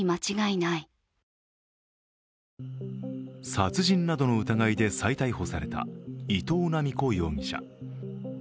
殺人などの疑いで再逮捕された伊藤七美子容疑者。